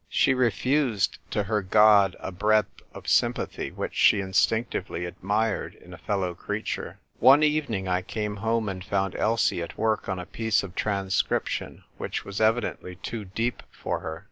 She refused to her God a breadth of sympathy which she instinctively admired in a fellow creature. One evening I came home and found Elsie at work on a piece of transcription which was evidently too deep for her.